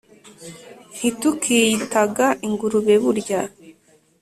Ntitukiyita ga ingurube burya: